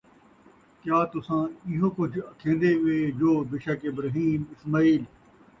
کیا تُساں اِیہو کُجھ اَکھیندے وے جو بیشک ابراہیم ، اسماعیل،